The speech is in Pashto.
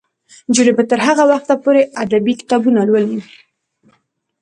نجونې به تر هغه وخته پورې ادبي کتابونه لولي.